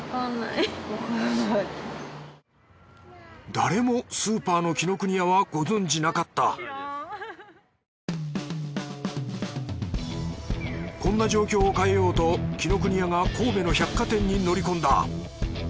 誰もスーパーの紀ノ国屋はご存じなかったこんな状況を変えようと紀ノ国屋が神戸の百貨店に乗り込んだ。